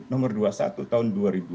nomor dua puluh satu tahun dua ribu dua puluh